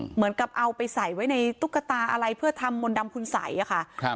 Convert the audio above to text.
เหมือนกับเอาไปใส่ไว้ในตุ๊กตาอะไรเพื่อทำมนต์ดำคุณสัยอะค่ะครับ